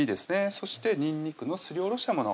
そしてにんにくのすりおろしたもの